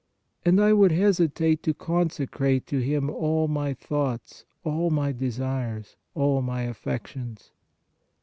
And I would hesitate to consecrate to Him all my thoughts, all my desires, all my affections